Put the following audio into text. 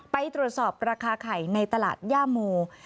ไปตรวจสอบราคาไข่ในตลาดย่าโม